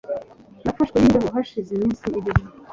nafashwe n'imbeho hashize iminsi ibiri